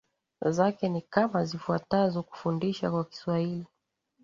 zake ni kama zifuatazo Kufundisha kwa kiswahili